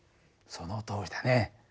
そのとおりだね。